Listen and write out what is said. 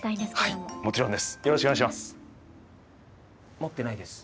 持ってないです。